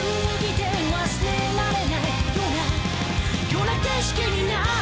「ような景色になる」